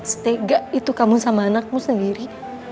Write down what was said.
stega itu kamu sama anakmu sendiri